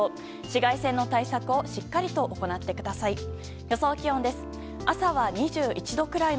紫外線の対策をしっかりと行ってください。